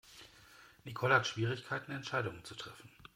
Nicole hat Schwierigkeiten Entscheidungen zu treffen.